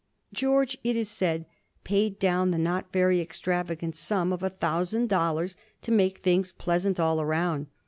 George, it is said, paid down the not very extravagant sum of a thousand dollars to make things pleasant all round.